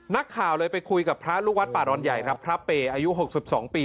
นักข่าวเลยไปคุยกับพระลูกวัดป่าดอนใหญ่ครับพระเปย์อายุ๖๒ปี